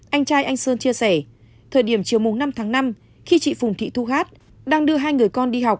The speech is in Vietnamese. anh trai anh sơn chia sẻ thời điểm chiều năm tháng năm khi chị phùng thị thu hát đang đưa hai người con đi học